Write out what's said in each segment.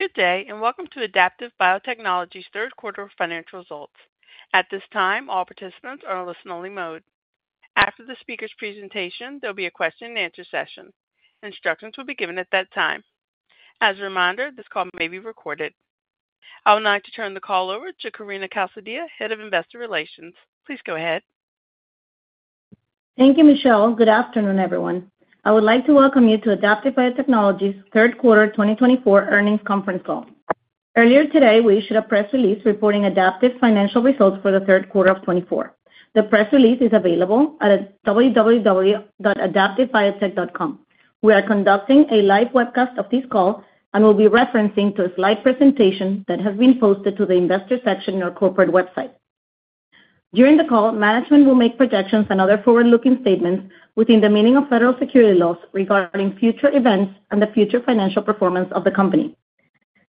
Good day, and welcome to Adaptive Biotechnologies' Third Quarter Financial Results. At this time, all participants are in a listen-only mode. After the speaker's presentation, there will be a question-and-answer session. Instructions will be given at that time. As a reminder, this call may be recorded. I would like to turn the call over to Karina Calzadilla, Head of Investor Relations. Please go ahead. Thank you, Michelle. Good afternoon, everyone. I would like to welcome you to Adaptive Biotechnologies' third quarter 2024 earnings conference call. Earlier today, we issued a press release reporting Adaptive's financial results for the third quarter of 2024. The press release is available at www.adaptivebiotech.com. We are conducting a live webcast of this call and will be referencing to a slide presentation that has been posted to the investor section in our corporate website. During the call, management will make projections and other forward-looking statements within the meaning of federal securities laws regarding future events and the future financial performance of the company.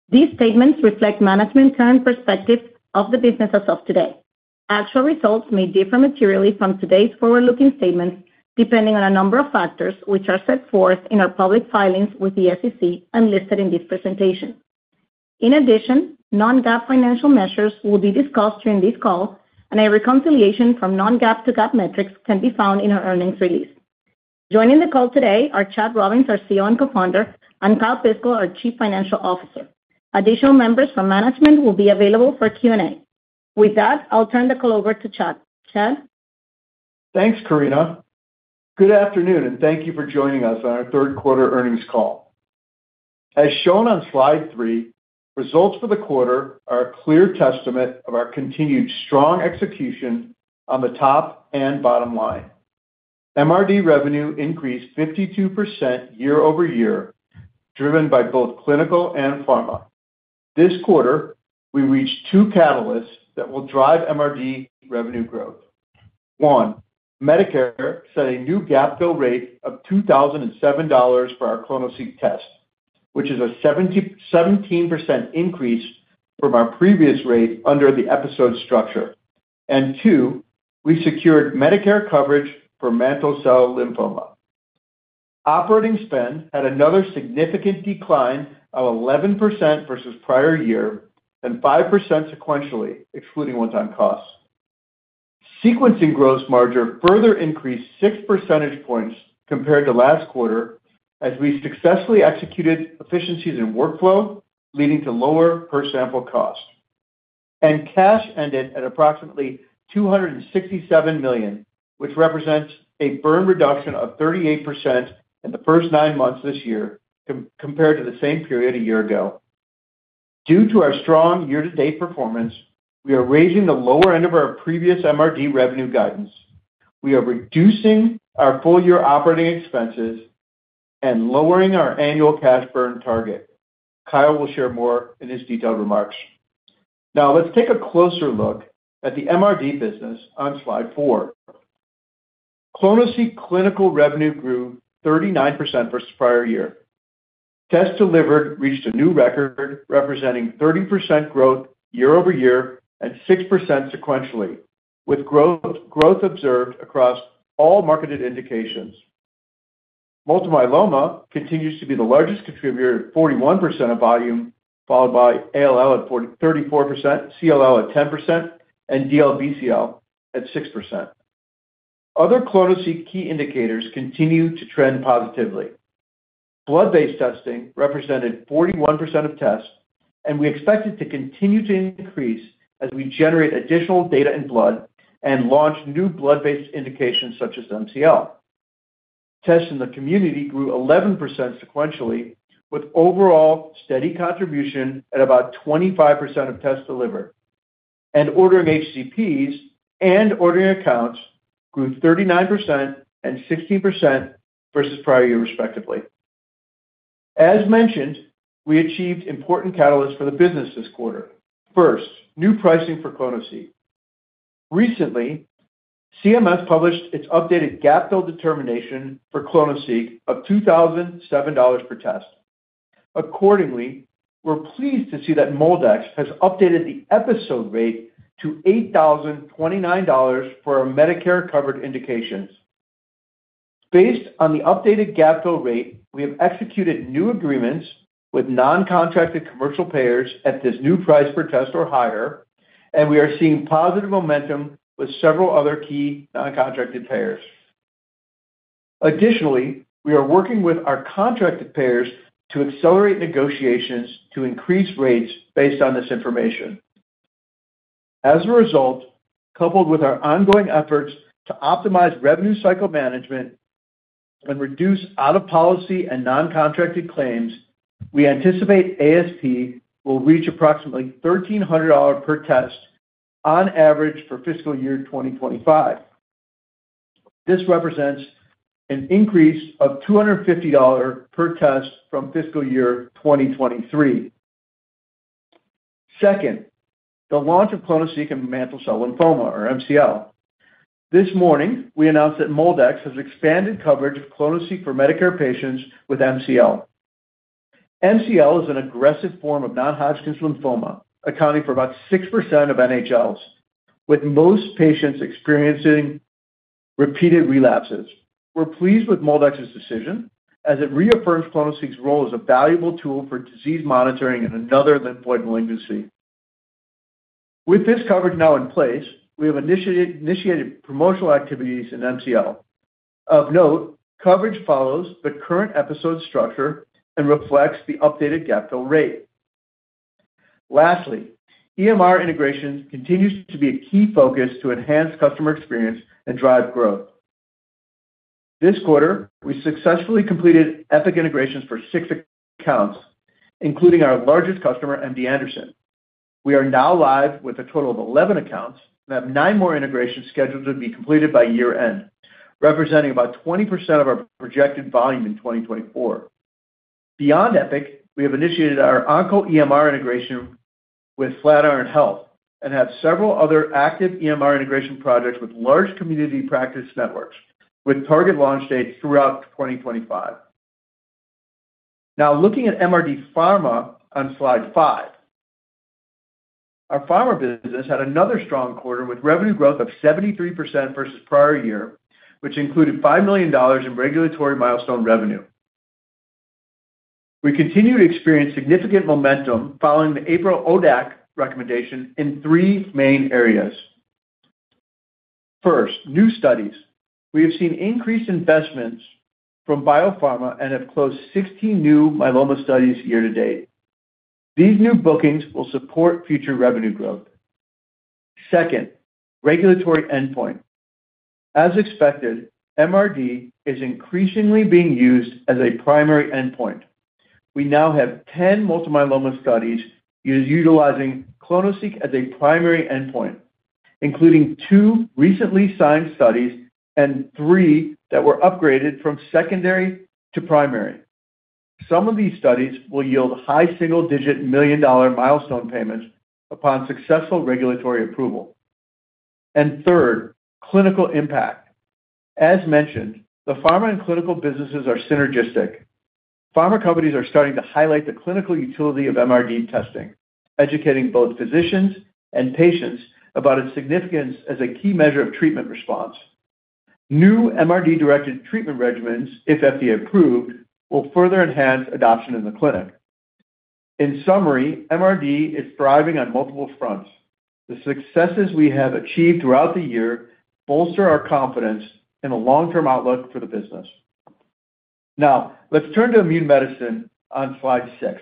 These statements reflect management's current perspective of the business as of today. Actual results may differ materially from today's forward-looking statements depending on a number of factors which are set forth in our public filings with the SEC and listed in this presentation. In addition, non-GAAP financial measures will be discussed during this call, and a reconciliation from non-GAAP to GAAP metrics can be found in our earnings release. Joining the call today are Chad Robins, our CEO and co-founder, and Kyle Piskel, our Chief Financial Officer. Additional members from management will be available for Q&A. With that, I'll turn the call over to Chad. Chad? Thanks, Karina. Good afternoon, and thank you for joining us on our third quarter earnings call. As shown on slide three, results for the quarter are a clear testament of our continued strong execution on the top and bottom line. MRD revenue increased 52% year-over-year, driven by both clinical and pharma. This quarter, we reached two catalysts that will drive MRD revenue growth. One, Medicare set a new gapfill rate of $2,007 for our clonoSEQ test, which is a 17% increase from our previous rate under the episode structure, and two, we secured Medicare coverage for mantle cell lymphoma. Operating spend had another significant decline of 11% versus prior year and 5% sequentially, excluding one-time costs. Sequencing gross margin further increased six percentage points compared to last quarter as we successfully executed efficiencies in workflow, leading to lower per sample cost. Cash ended at approximately $267 million, which represents a burn reduction of 38% in the first nine months this year compared to the same period a year ago. Due to our strong year-to-date performance, we are raising the lower end of our previous MRD revenue guidance. We are reducing our full-year operating expenses and lowering our annual cash burn target. Kyle will share more in his detailed remarks. Now, let's take a closer look at the MRD business on slide four, clonoSEQ clinical revenue grew 39% versus prior year. Tests delivered reached a new record representing 30% growth year-over-year and 6% sequentially, with growth observed across all marketed indications. Multiple myeloma continues to be the largest contributor at 41% of volume, followed by ALL at 34%, CLL at 10%, and DLBCL at 6%. Other clonoSEQ key indicators continue to trend positively. Blood-based testing represented 41% of tests, and we expect it to continue to increase as we generate additional data in blood and launch new blood-based indications such as MCL. Tests in the community grew 11% sequentially, with overall steady contribution at about 25% of tests delivered, and ordering HCPs and ordering accounts grew 39% and 16% versus prior year, respectively. As mentioned, we achieved important catalysts for the business this quarter. First, new pricing for clonoSEQ. Recently, CMS published its updated gapfill determination for clonoSEQ of $2,007 per test. Accordingly, we're pleased to see that MolDX has updated the episode rate to $8,029 for our Medicare-covered indications. Based on the updated gapfill rate, we have executed new agreements with non-contracted commercial payers at this new price per test or higher, and we are seeing positive momentum with several other key non-contracted payers. Additionally, we are working with our contracted payers to accelerate negotiations to increase rates based on this information. As a result, coupled with our ongoing efforts to optimize revenue cycle management and reduce out-of-policy and non-contracted claims, we anticipate ASP will reach approximately $1,300 per test on average for fiscal year 2025. This represents an increase of $250 per test from fiscal year 2023. Second, the launch of clonoSEQ in mantle cell lymphoma, or MCL. This morning, we announced that MolDX has expanded coverage of clonoSEQ for Medicare patients with MCL. MCL is an aggressive form of non-Hodgkin lymphoma, accounting for about 6% of NHLs, with most patients experiencing repeated relapses. We're pleased with MolDX's decision as it reaffirms clonoSEQ's role as a valuable tool for disease monitoring in another lymphoid malignancy. With this coverage now in place, we have initiated promotional activities in MCL. Of note, coverage follows the current episode structure and reflects the updated gapfill rate. Lastly, EMR integration continues to be a key focus to enhance customer experience and drive growth. This quarter, we successfully completed Epic integrations for six accounts, including our largest customer, MD Anderson. We are now live with a total of 11 accounts and have nine more integrations scheduled to be completed by year-end, representing about 20% of our projected volume in 2024. Beyond Epic, we have initiated our OncoEMR integration with Flatiron Health and have several other active EMR integration projects with large community practice networks, with target launch dates throughout 2025. Now, looking at MRD Pharma on slide five, our pharma business had another strong quarter with revenue growth of 73% versus prior year, which included $5 million in regulatory milestone revenue. We continue to experience significant momentum following the April ODAC recommendation in three main areas. First, new studies. We have seen increased investments from biopharma and have closed 16 new myeloma studies year-to-date. These new bookings will support future revenue growth. Second, regulatory endpoint. As expected, MRD is increasingly being used as a primary endpoint. We now have 10 multiple myeloma studies utilizing clonoSEQ as a primary endpoint, including two recently signed studies and three that were upgraded from secondary to primary. Some of these studies will yield high single-digit million-dollar milestone payments upon successful regulatory approval. Third, clinical impact. As mentioned, the pharma and clinical businesses are synergistic. Pharma companies are starting to highlight the clinical utility of MRD testing, educating both physicians and patients about its significance as a key measure of treatment response. New MRD-directed treatment regimens, if FDA-approved, will further enhance adoption in the clinic. In summary, MRD is thriving on multiple fronts. The successes we have achieved throughout the year bolster our confidence in the long-term outlook for the business. Now, let's turn to immune medicine on slide six.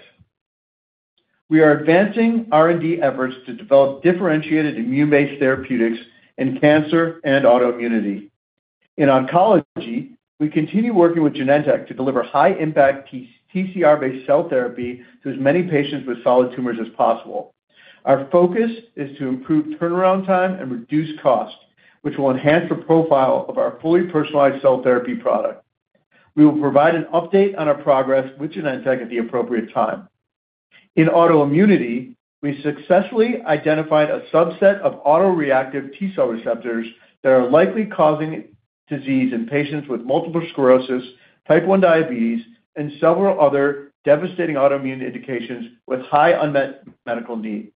We are advancing R&D efforts to develop differentiated immune-based therapeutics in cancer and autoimmunity. In oncology, we continue working with Genentech to deliver high-impact TCR-based cell therapy to as many patients with solid tumors as possible. Our focus is to improve turnaround time and reduce cost, which will enhance the profile of our fully personalized cell therapy product. We will provide an update on our progress with Genentech at the appropriate time. In autoimmunity, we successfully identified a subset of autoreactive T-cell receptors that are likely causing disease in patients with multiple sclerosis, type 1 diabetes, and several other devastating autoimmune indications with high unmet medical need.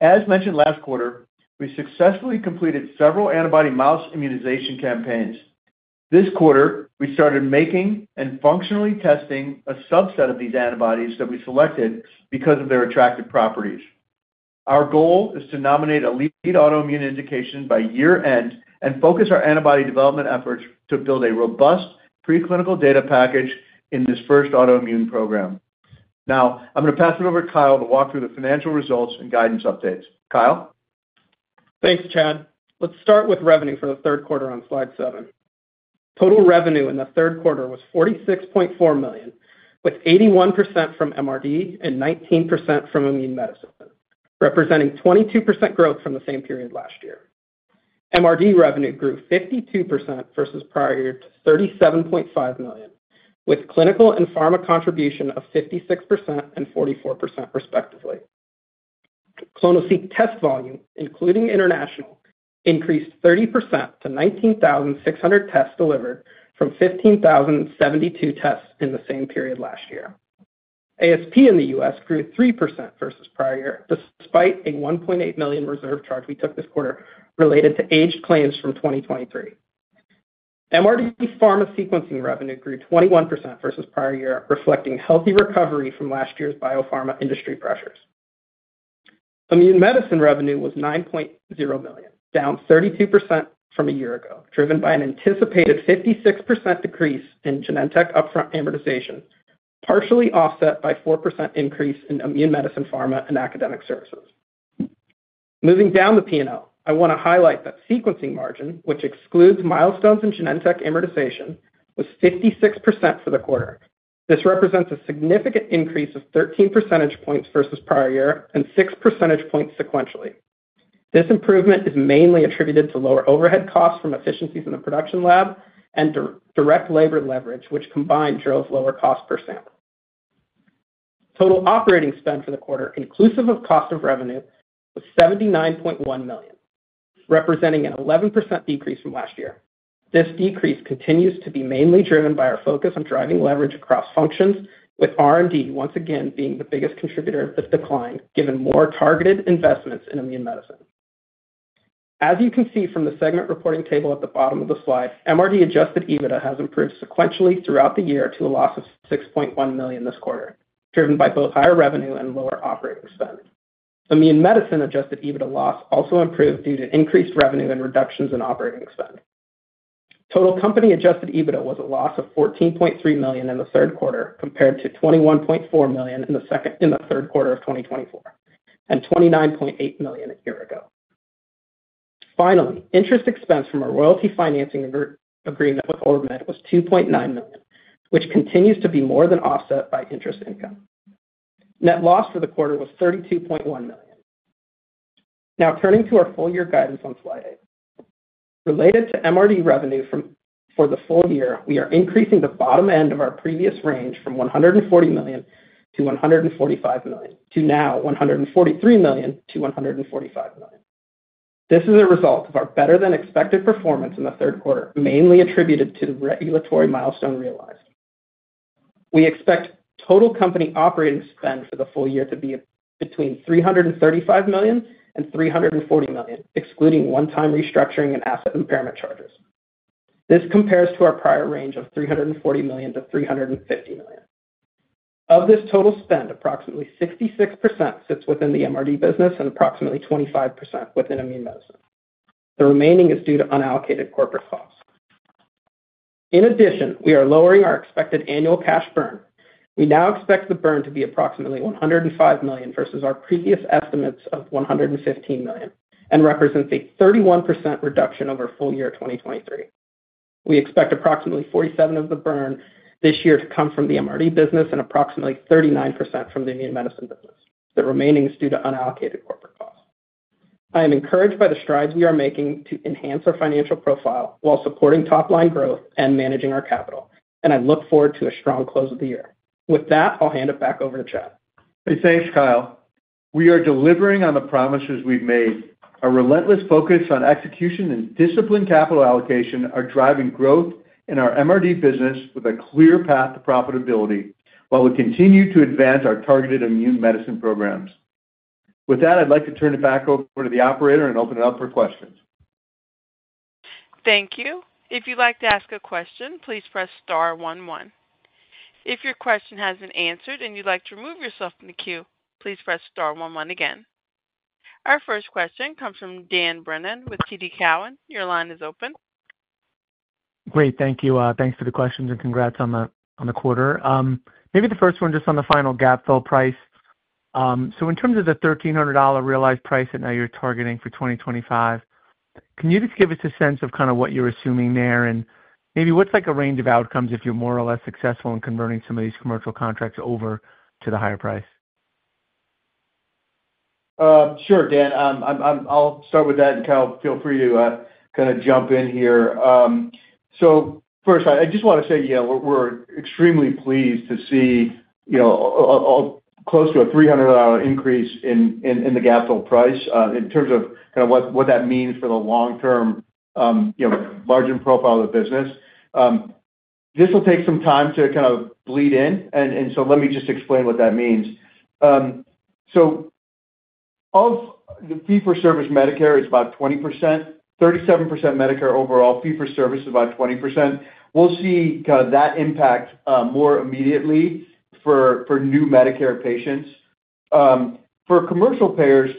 As mentioned last quarter, we successfully completed several antibody mouse immunization campaigns. This quarter, we started making and functionally testing a subset of these antibodies that we selected because of their attractive properties. Our goal is to nominate a lead autoimmune indication by year-end and focus our antibody development efforts to build a robust preclinical data package in this first autoimmune program. Now, I'm going to pass it over to Kyle to walk through the financial results and guidance updates. Kyle? Thanks, Chad. Let's start with revenue for the third quarter on slide seven. Total revenue in the third quarter was $46.4 million, with 81% from MRD and 19% from immune medicine, representing 22% growth from the same period last year. MRD revenue grew 52% versus prior year to $37.5 million, with clinical and pharma contribution of 56% and 44%, respectively. clonoSEQ test volume, including international, increased 30% to 19,600 tests delivered from 15,072 tests in the same period last year. ASP in the U.S. grew 3% versus prior year, despite a $1.8 million reserve charge we took this quarter related to aged claims from 2023. MRD Pharma sequencing revenue grew 21% versus prior year, reflecting healthy recovery from last year's biopharma industry pressures. Immune medicine revenue was $9.0 million, down 32% from a year ago, driven by an anticipated 56% decrease in Genentech upfront amortization, partially offset by a 4% increase in immune medicine pharma and academic services. Moving down the P&L, I want to highlight that sequencing margin, which excludes milestones in Genentech amortization, was 56% for the quarter. This represents a significant increase of 13 percentage points versus prior year and 6 percentage points sequentially. This improvement is mainly attributed to lower overhead costs from efficiencies in the production lab and direct labor leverage, which combined drove lower cost per sample. Total operating spend for the quarter, inclusive of cost of revenue, was $79.1 million, representing an 11% decrease from last year. This decrease continues to be mainly driven by our focus on driving leverage across functions, with R&D once again being the biggest contributor of this decline, given more targeted investments in immune medicine. As you can see from the segment reporting table at the bottom of the slide, MRD-Adjusted EBITDA has improved sequentially throughout the year to a loss of $6.1 million this quarter, driven by both higher revenue and lower operating spend. Immune medicine-Adjusted EBITDA loss also improved due to increased revenue and reductions in operating spend. Total company-Adjusted EBITDA was a loss of $14.3 million in the third quarter, compared to $21.4 million in the third quarter of 2024 and $29.8 million a year ago. Finally, interest expense from a royalty financing agreement with OrbiMed was $2.9 million, which continues to be more than offset by interest income. Net loss for the quarter was $32.1 million. Now, turning to our full-year guidance on slide eight. Related to MRD revenue for the full year, we are increasing the bottom end of our previous range from $140 million to $145 million to now $143 million to $145 million. This is a result of our better-than-expected performance in the third quarter, mainly attributed to regulatory milestone realized. We expect total company operating spend for the full year to be between $335 million and $340 million, excluding one-time restructuring and asset impairment charges. This compares to our prior range of $340 million to $350 million. Of this total spend, approximately 66% sits within the MRD business and approximately 25% within immune medicine. The remaining is due to unallocated corporate costs. In addition, we are lowering our expected annual cash burn. We now expect the burn to be approximately $105 million versus our previous estimates of $115 million and represents a 31% reduction over full year 2023. We expect approximately 47% of the burn this year to come from the MRD business and approximately 39% from the immune medicine business. The remaining is due to unallocated corporate costs. I am encouraged by the strides we are making to enhance our financial profile while supporting top-line growth and managing our capital, and I look forward to a strong close of the year. With that, I'll hand it back over to Chad. Thanks, Kyle. We are delivering on the promises we've made. Our relentless focus on execution and disciplined capital allocation are driving growth in our MRD business with a clear path to profitability while we continue to advance our targeted immune medicine programs. With that, I'd like to turn it back over to the operator and open it up for questions. Thank you. If you'd like to ask a question, please press star one one. If your question hasn't been answered and you'd like to remove yourself from the queue, please press star one one again. Our first question comes from Dan Brennan with TD Cowen. Your line is open. Great. Thank you. Thanks for the questions and congrats on the quarter. Maybe the first one just on the final gapfill price. So in terms of the $1,300 realized price that now you're targeting for 2025, can you just give us a sense of kind of what you're assuming there and maybe what's like a range of outcomes if you're more or less successful in converting some of these commercial contracts over to the higher price? Sure, Dan. I'll start with that, and Kyle, feel free to kind of jump in here. So first, I just want to say, yeah, we're extremely pleased to see close to a $300 increase in the GAAP goal price in terms of kind of what that means for the long-term margin profile of the business. This will take some time to kind of bleed in, and so let me just explain what that means. So of the fee-for-service Medicare, it's about 20%. 37% Medicare overall fee-for-service is about 20%. We'll see kind of that impact more immediately for new Medicare patients. For commercial payers,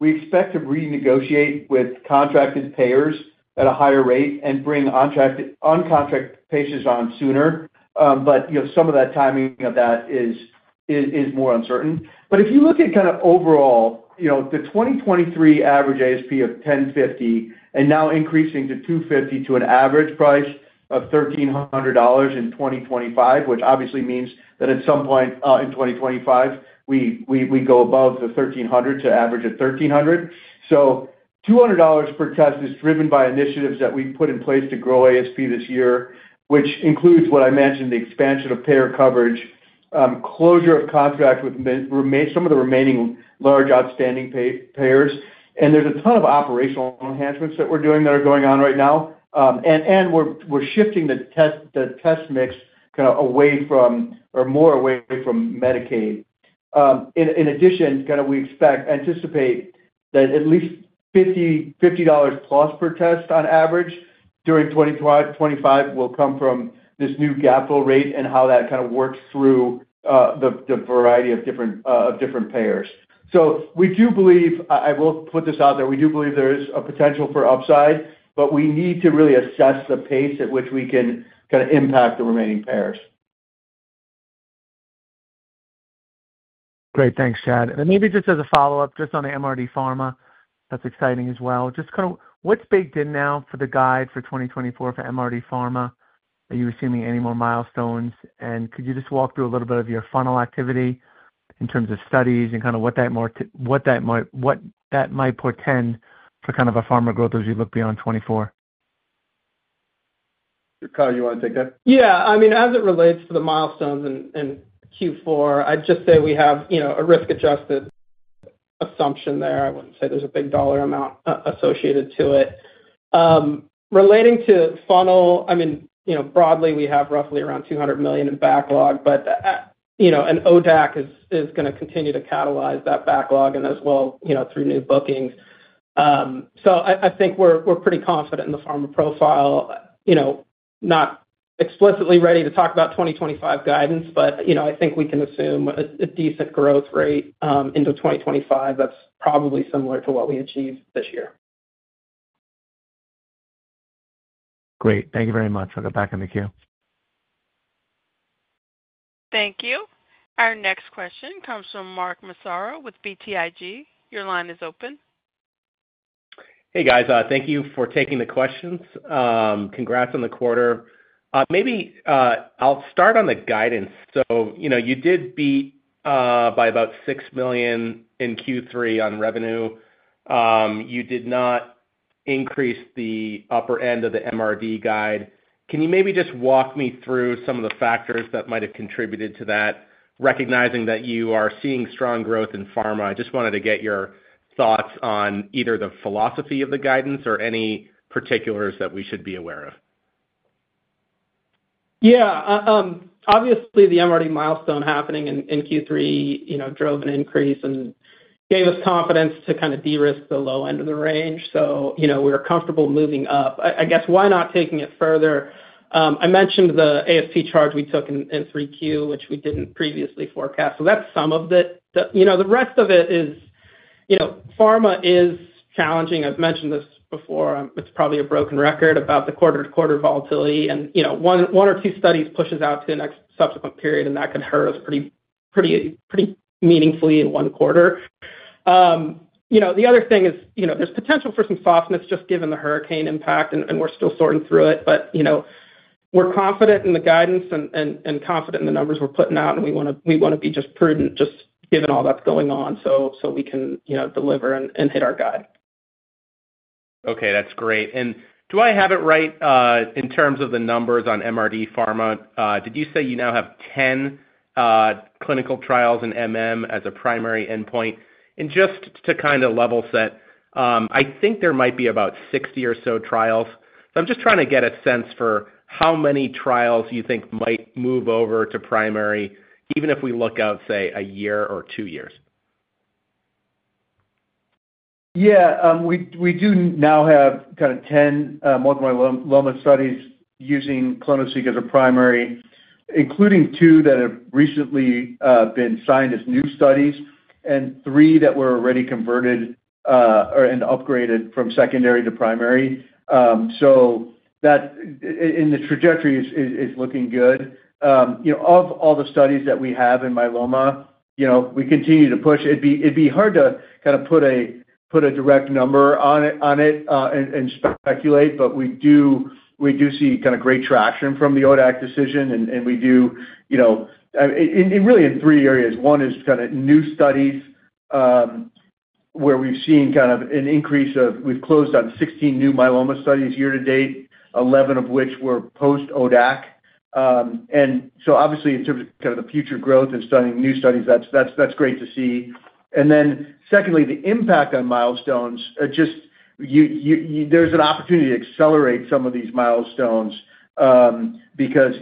we expect to renegotiate with contracted payers at a higher rate and bring uncontracted patients on sooner, but some of that timing of that is more uncertain. But if you look at kind of overall the 2023 average ASP of $10.50 and now increasing to $250 to an average price of $1,300 in 2025, which obviously means that at some point in 2025 we go above the $1,300 to average at $1,300. So $200 per test is driven by initiatives that we've put in place to grow ASP this year, which includes what I mentioned, the expansion of payer coverage, closure of contract with some of the remaining large outstanding payers. And there's a ton of operational enhancements that we're doing that are going on right now, and we're shifting the test mix kind of away from or more away from Medicaid. In addition, kind of we expect, anticipate that at least $50 plus per test on average during 2025 will come from this new gapfill rate and how that kind of works through the variety of different payers. We do believe I will put this out there. We do believe there is a potential for upside, but we need to really assess the pace at which we can kind of impact the remaining payers. Great. Thanks, Chad, and maybe just as a follow-up, just on the MRD Pharma, that's exciting as well. Just kind of what's baked in now for the guide for 2024 for MRD Pharma? Are you assuming any more milestones, and could you just walk through a little bit of your funnel activity in terms of studies and kind of what that might portend for kind of pharma growth as you look beyond 2024? Kyle, you want to take that? Yeah. I mean, as it relates to the milestones and Q4, I'd just say we have a risk-adjusted assumption there. I wouldn't say there's a big dollar amount associated to it. Relating to funnel, I mean, broadly, we have roughly around $200 million in backlog, but an ODAC is going to continue to catalyze that backlog and as well through new bookings. So I think we're pretty confident in the pharma profile. Not explicitly ready to talk about 2025 guidance, but I think we can assume a decent growth rate into 2025 that's probably similar to what we achieved this year. Great. Thank you very much. I'll get back in the queue. Thank you. Our next question comes from Mark Massaro with BTIG. Your line is open. Hey, guys. Thank you for taking the questions. Congrats on the quarter. Maybe I'll start on the guidance. So you did beat by about $6 million in Q3 on revenue. You did not increase the upper end of the MRD guide. Can you maybe just walk me through some of the factors that might have contributed to that, recognizing that you are seeing strong growth in pharma? I just wanted to get your thoughts on either the philosophy of the guidance or any particulars that we should be aware of? Yeah. Obviously, the MRD milestone happening in Q3 drove an increase and gave us confidence to kind of de-risk the low end of the range. So we were comfortable moving up. I guess, why not taking it further? I mentioned the ASP charge we took in Q3, which we didn't previously forecast. So that's some of it. The rest of it is pharma is challenging. I've mentioned this before. It's probably a broken record about the quarter-to-quarter volatility. And one or two studies push us out to the next subsequent period, and that could hurt us pretty meaningfully in one quarter. The other thing is there's potential for some softness just given the hurricane impact, and we're still sorting through it, but we're confident in the guidance and confident in the numbers we're putting out, and we want to be just prudent just given all that's going on so we can deliver and hit our guide. Okay. That's great. And do I have it right in terms of the numbers on MRD Pharma? Did you say you now have 10 clinical trials in as a primary endpoint? And just to kind of level set, I think there might be about 60 or so trials. So I'm just trying to get a sense for how many trials you think might move over to primary, even if we look out, say, a year or two years. Yeah. We do now have kind of 10 multiple myeloma studies using clonoSEQ as a primary, including two that have recently been signed as new studies and three that were already converted and upgraded from secondary to primary. So in the trajectory, it's looking good. Of all the studies that we have in myeloma, we continue to push. It'd be hard to kind of put a direct number on it and speculate, but we do see kind of great traction from the ODAC decision, and we do really in three areas. One is kind of new studies where we've seen kind of an increase of we've closed on 16 new myeloma studies year to date, 11 of which were post-ODAC. And so obviously, in terms of kind of the future growth and starting new studies, that's great to see. And then, secondly, the impact on milestones. Just, there's an opportunity to accelerate some of these milestones because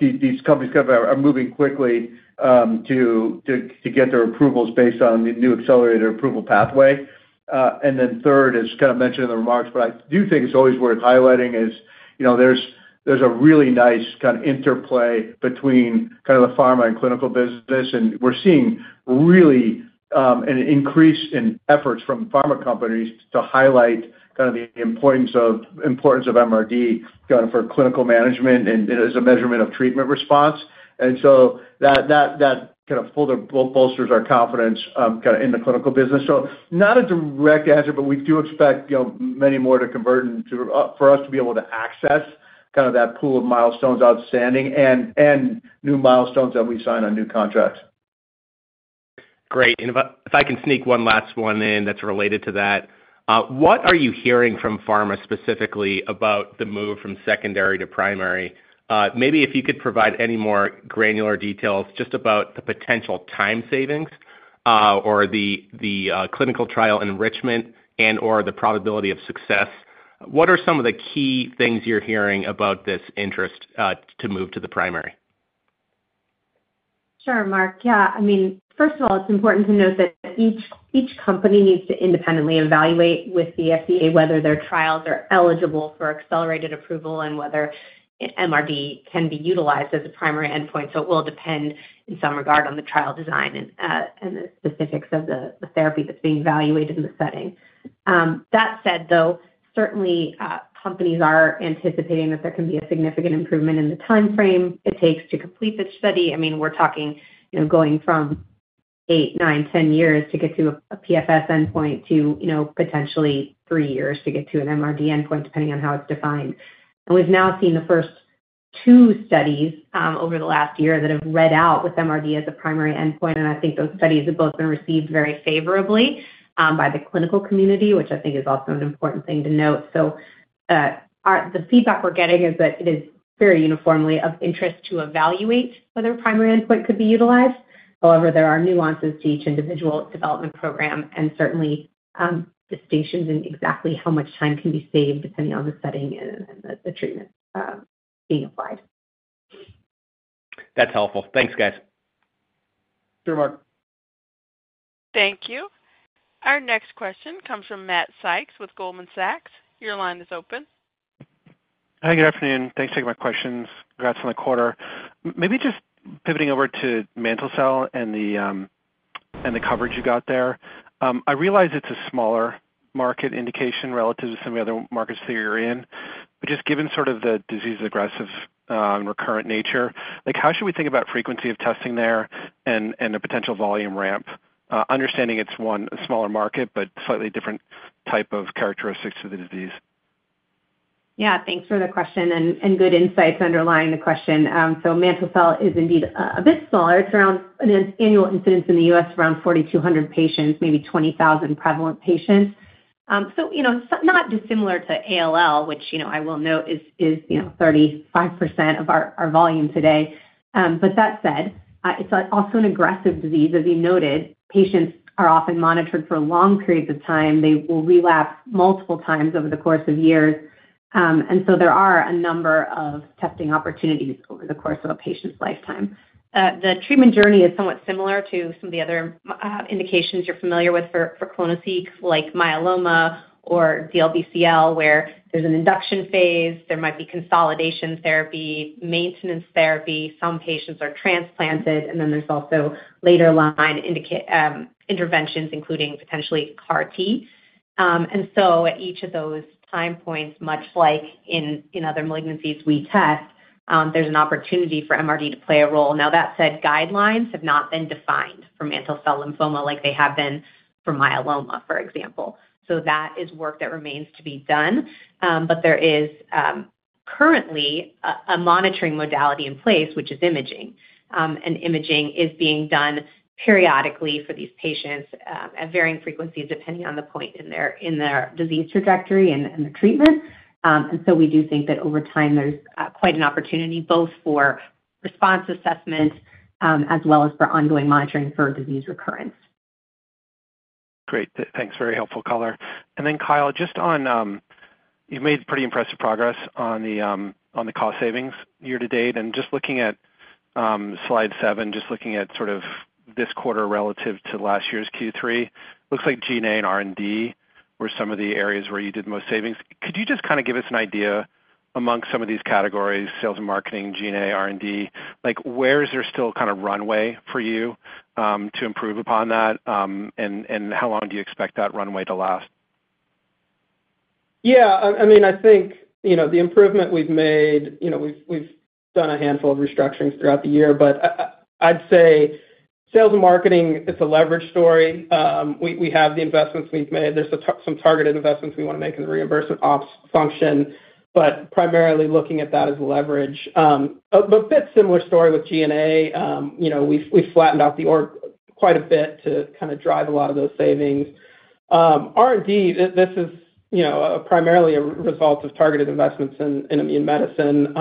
these companies kind of are moving quickly to get their approvals based on the new accelerated approval pathway. And then, third, as kind of mentioned in the remarks, but I do think it's always worth highlighting is there's a really nice kind of interplay between kind of the pharma and clinical business, and we're seeing really an increase in efforts from pharma companies to highlight kind of the importance of MRD kind of for clinical management and as a measurement of treatment response. And so that kind of fully bolsters our confidence kind of in the clinical business. So, not a direct answer, but we do expect many more to convert for us to be able to access kind of that pool of milestones outstanding and new milestones that we sign on new contracts. Great. And if I can sneak one last one in that's related to that, what are you hearing from pharma specifically about the move from secondary to primary? Maybe if you could provide any more granular details just about the potential time savings or the clinical trial enrichment and/or the probability of success, what are some of the key things you're hearing about this interest to move to the primary? Sure, Mark. Yeah. I mean, first of all, it's important to note that each company needs to independently evaluate with the FDA whether their trials are eligible for accelerated approval and whether MRD can be utilized as a primary endpoint. So it will depend in some regard on the trial design and the specifics of the therapy that's being evaluated in the setting. That said, though, certainly, companies are anticipating that there can be a significant improvement in the timeframe it takes to complete the study. I mean, we're talking going from eight, nine, 10 years to get to a PFS endpoint to potentially three years to get to an MRD endpoint, depending on how it's defined. And we've now seen the first two studies over the last year that have read out with MRD as a primary endpoint, and I think those studies have both been received very favorably by the clinical community, which I think is also an important thing to note. So the feedback we're getting is that it is very uniformly of interest to evaluate whether a primary endpoint could be utilized. However, there are nuances to each individual development program and certainly distinctions in exactly how much time can be saved depending on the setting and the treatment being applied. That's helpful. Thanks, guys. Sure, Mark. Thank you. Our next question comes from Matt Sykes with Goldman Sachs. Your line is open. Hi, good afternoon. Thanks for taking my questions. Congrats on the quarter. Maybe just pivoting over to mantle cell and the coverage you got there. I realize it's a smaller market indication relative to some of the other markets that you're in, but just given sort of the disease-aggressive and recurrent nature, how should we think about frequency of testing there and a potential volume ramp, understanding it's one smaller market, but slightly different type of characteristics to the disease? Yeah. Thanks for the question and good insights underlying the question. So mantle cell is indeed a bit smaller. It's around an annual incidence in the U.S. of around 4,200 patients, maybe 20,000 prevalent patients. So not dissimilar to ALL, which I will note is 35% of our volume today. But that said, it's also an aggressive disease. As you noted, patients are often monitored for long periods of time. They will relapse multiple times over the course of years. And so there are a number of testing opportunities over the course of a patient's lifetime. The treatment journey is somewhat similar to some of the other indications you're familiar with for clonoSEQ, like myeloma or DLBCL, where there's an induction phase. There might be consolidation therapy, maintenance therapy. Some patients are transplanted, and then there's also later-line interventions, including potentially CAR-T. And so at each of those time points, much like in other malignancies, we test. There's an opportunity for MRD to play a role. Now, that said, guidelines have not been defined for mantle cell lymphoma like they have been for myeloma, for example. So that is work that remains to be done. But there is currently a monitoring modality in place, which is imaging. And imaging is being done periodically for these patients at varying frequencies depending on the point in their disease trajectory and their treatment. And so we do think that over time, there's quite an opportunity both for response assessment as well as for ongoing monitoring for disease recurrence. Great. Thanks. Very helpful color. And then, Kyle, just on you've made pretty impressive progress on the cost savings year to date. And just looking at slide seven, just looking at sort of this quarter relative to last year's Q3, looks like G&A and R&D were some of the areas where you did most savings. Could you just kind of give us an idea amongst some of these categories: sales and marketing, G&A, R&D? Where is there still kind of runway for you to improve upon that? And how long do you expect that runway to last? Yeah. I mean, I think the improvement we've made. We've done a handful of restructurings throughout the year, but I'd say sales and marketing, it's a leverage story. We have the investments we've made. There's some targeted investments we want to make in the reimbursement ops function, but primarily looking at that as leverage. But a bit similar story with G&A. We've flattened out the org quite a bit to kind of drive a lot of those savings. R&D, this is primarily a result of targeted investments in immune medicine.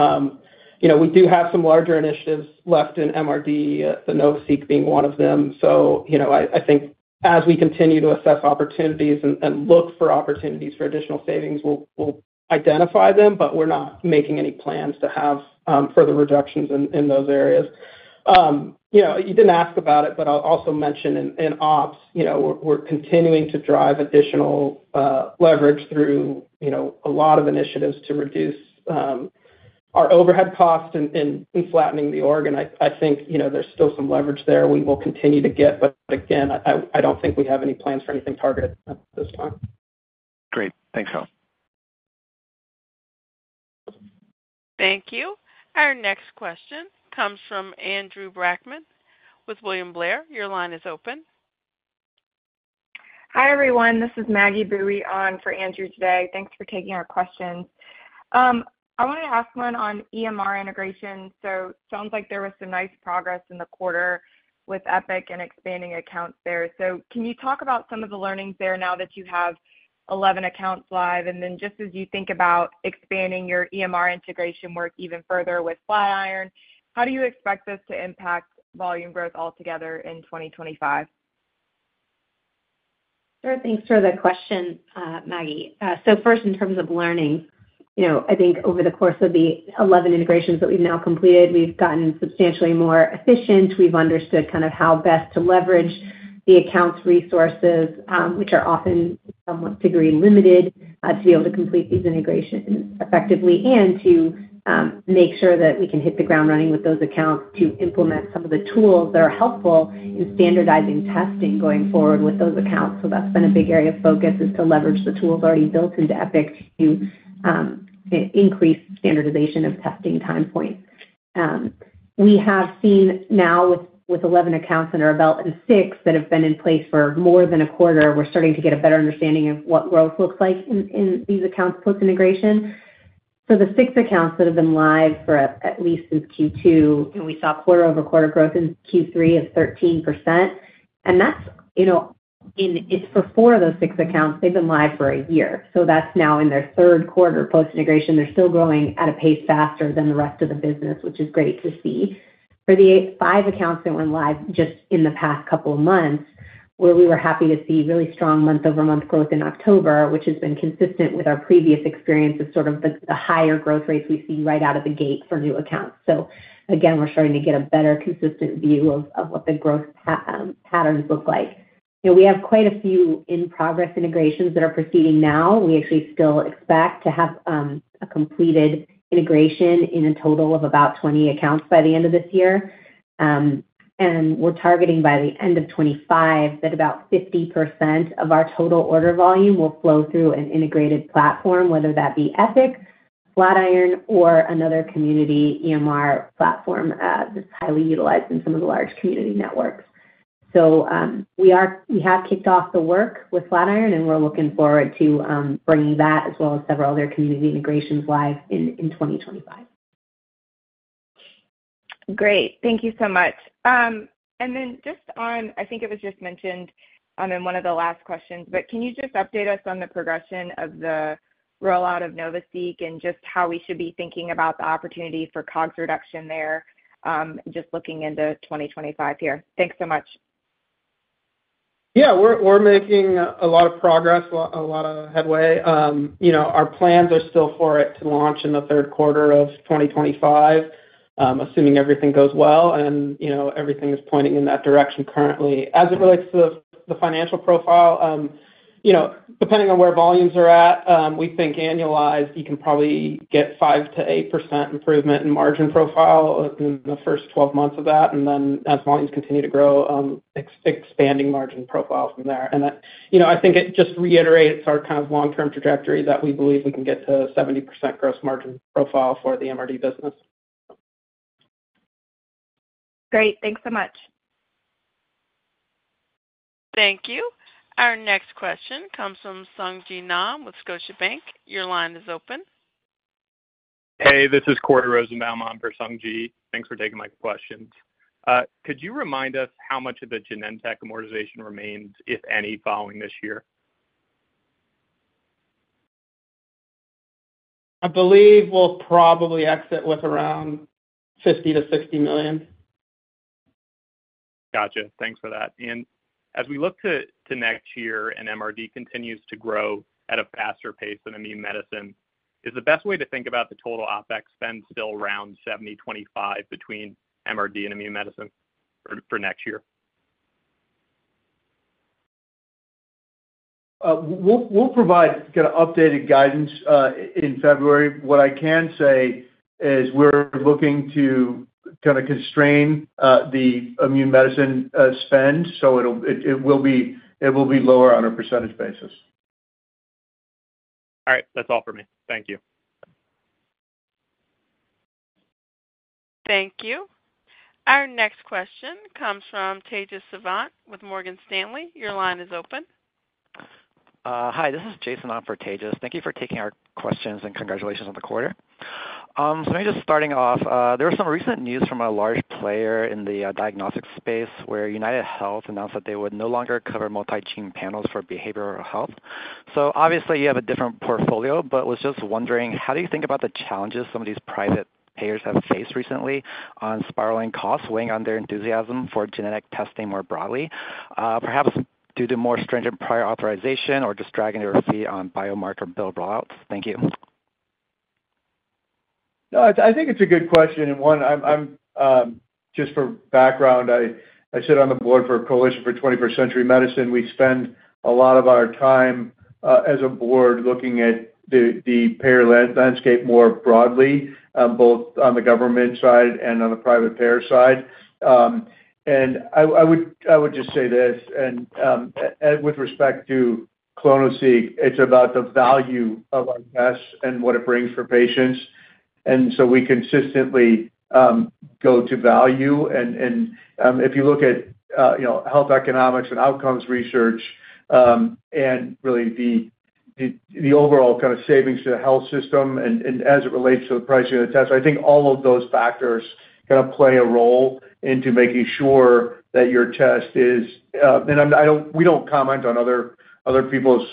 We do have some larger initiatives left in MRD, the NovaSeq being one of them. So I think as we continue to assess opportunities and look for opportunities for additional savings, we'll identify them, but we're not making any plans to have further reductions in those areas. You didn't ask about it, but I'll also mention in ops, we're continuing to drive additional leverage through a lot of initiatives to reduce our overhead costs in flattening the org, and I think there's still some leverage there we will continue to get, but again, I don't think we have any plans for anything targeted at this time. Great. Thanks, all. Thank you. Our next question comes from Andrew Brackman with William Blair. Your line is open. Hi, everyone. This is Maggie Boeye on for Andrew today. Thanks for taking our questions. I wanted to ask one on EMR integration. So it sounds like there was some nice progress in the quarter with Epic and expanding accounts there. So can you talk about some of the learnings there now that you have 11 accounts live? And then just as you think about expanding your EMR integration work even further with Flatiron, how do you expect this to impact volume growth altogether in 2025? Sure. Thanks for the question, Maggie. So first, in terms of learning, I think over the course of the 11 integrations that we've now completed, we've gotten substantially more efficient. We've understood kind of how best to leverage the accounts resources, which are often to some degree limited, to be able to complete these integrations effectively and to make sure that we can hit the ground running with those accounts to implement some of the tools that are helpful in standardizing testing going forward with those accounts. So that's been a big area of focus is to leverage the tools already built into Epic to increase standardization of testing time points. We have seen now with 11 accounts under our belt and six that have been in place for more than a quarter, we're starting to get a better understanding of what growth looks like in these accounts plus integration. The six accounts that have been live for at least since Q2, and we saw quarter-over-quarter growth in Q3 of 13%. It's for four of those six accounts. They've been live for a year. That's now in their third quarter post-integration. They're still growing at a pace faster than the rest of the business, which is great to see. For the five accounts that were live just in the past couple of months, where we were happy to see really strong month-over-month growth in October, which has been consistent with our previous experience of sort of the higher growth rates we see right out of the gate for new accounts. Again, we're starting to get a better consistent view of what the growth patterns look like. We have quite a few in-progress integrations that are proceeding now. We actually still expect to have a completed integration in a total of about 20 accounts by the end of this year. We're targeting by the end of 2025 that about 50% of our total order volume will flow through an integrated platform, whether that be Epic, Flatiron, or another community EMR platform that's highly utilized in some of the large community networks. We have kicked off the work with Flatiron, and we're looking forward to bringing that as well as several other community integrations live in 2025. Great. Thank you so much. And then just on, I think it was just mentioned in one of the last questions, but can you just update us on the progression of the rollout of NovaSeq and just how we should be thinking about the opportunity for COGS reduction there just looking into 2025 here? Thanks so much. Yeah. We're making a lot of progress, a lot of headway. Our plans are still for it to launch in the third quarter of 2025, assuming everything goes well and everything is pointing in that direction currently. As it relates to the financial profile, depending on where volumes are at, we think annualized, you can probably get 5%-8% improvement in margin profile in the first 12 months of that. And then as volumes continue to grow, expanding margin profile from there. And I think it just reiterates our kind of long-term trajectory that we believe we can get to 70% gross margin profile for the MRD business. Great. Thanks so much. Thank you. Our next question comes from Sung Ji Nam with Scotiabank. Your line is open. Hey, this is Corey Rosenbaum. I'm for Sung Ji. Thanks for taking my questions. Could you remind us how much of the Genentech amortization remains, if any, following this year? I believe we'll probably exit with around $50 million-$60 million. Gotcha. Thanks for that, and as we look to next year and MRD continues to grow at a faster pace than immune medicine, is the best way to think about the total OpEx spend still around 70-25 between MRD and immune medicine for next year? We'll provide kind of updated guidance in February. What I can say is we're looking to kind of constrain the immune medicine spend, so it will be lower on a percentage basis. All right. That's all for me. Thank you. Thank you. Our next question comes from Tejas Savant with Morgan Stanley. Your line is open. Hi, this is Jason Ott for Tejas. Thank you for taking our questions and congratulations on the quarter. So just starting off, there was some recent news from a large player in the diagnostic space where UnitedHealth announced that they would no longer cover multigene panels for behavioral health. So obviously, you have a different portfolio, but was just wondering, how do you think about the challenges some of these private payers have faced recently on spiraling costs weighing on their enthusiasm for genetic testing more broadly, perhaps due to more stringent prior authorization or just dragging their feet on biomarker billing rollouts? Thank you. No, I think it's a good question, and one, just for background, I sit on the board for Coalition for 21st Century Medicine. We spend a lot of our time as a board looking at the payer landscape more broadly, both on the government side and on the private payer side, and I would just say this, and with respect to clonoSEQ, it's about the value of our tests and what it brings for patients, and so we consistently go to value. And if you look at health economics and outcomes research and really the overall kind of savings to the health system and as it relates to the pricing of the test, I think all of those factors kind of play a role into making sure that your test is, and we don't comment on other people's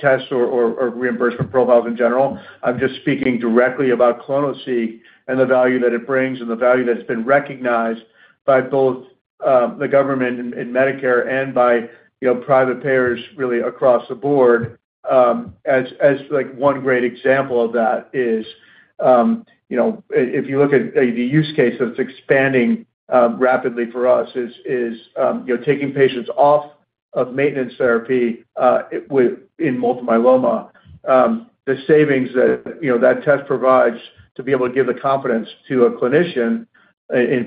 tests or reimbursement profiles in general. I'm just speaking directly about clonoSEQ and the value that it brings and the value that's been recognized by both the government and Medicare and by private payers really across the board. As one great example of that is, if you look at the use case that's expanding rapidly for us, is taking patients off of maintenance therapy in multiple myeloma. The savings that that test provides to be able to give the confidence to a clinician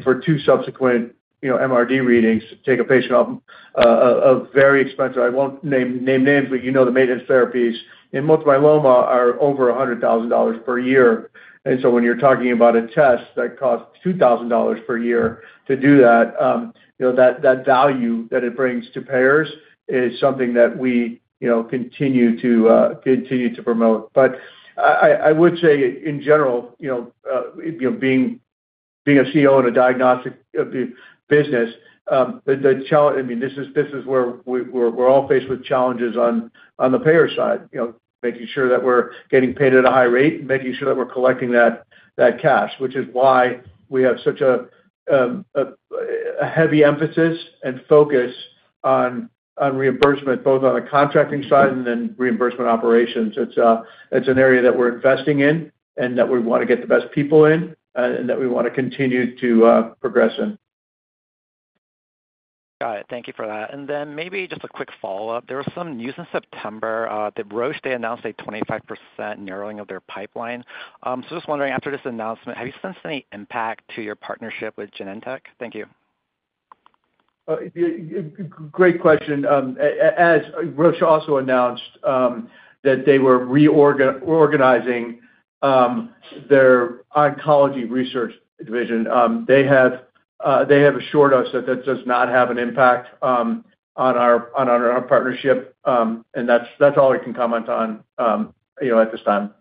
for two subsequent MRD readings to take a patient off of very expensive, I won't name names, but you know the maintenance therapies in multiple myeloma are over $100,000 per year. And so when you're talking about a test that costs $2,000 per year to do that, that value that it brings to payers is something that we continue to promote. But I would say, in general, being a CEO in a diagnostic business, I mean, this is where we're all faced with challenges on the payer side, making sure that we're getting paid at a high rate and making sure that we're collecting that cash, which is why we have such a heavy emphasis and focus on reimbursement, both on the contracting side and then reimbursement operations. It's an area that we're investing in and that we want to get the best people in and that we want to continue to progress in. Got it. Thank you for that. And then maybe just a quick follow-up. There was some news in September that Roche, they announced a 25% narrowing of their pipeline. So just wondering, after this announcement, have you sensed any impact to your partnership with Genentech? Thank you. Great question. As Roche also announced that they were reorganizing their oncology research division, they have assured us that that does not have an impact on our partnership, and that's all I can comment on at this time.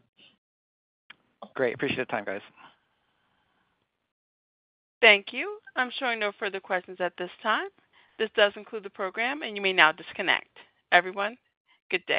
Great. Appreciate the time, guys. Thank you. I'm showing no further questions at this time. This does conclude the program, and you may now disconnect. Everyone, good day.